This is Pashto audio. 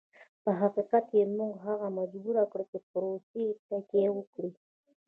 په حقیقت کې موږ هغه مجبور کړ چې پر روسیې تکیه وکړي.